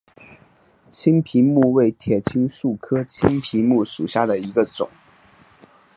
青皮木为铁青树科青皮木属下的一个种。